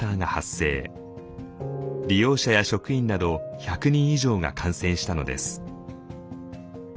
利用者や職員など１００人以上が感染したのです。